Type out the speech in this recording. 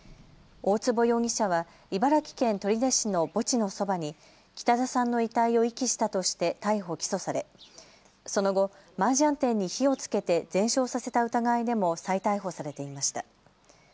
大坪容疑者は茨城県取手市の墓地のそばに北田さんの遺体を遺棄したとして逮捕・起訴されその後、マージャン店に火をつけて全焼させた疑いでも再逮捕されていました。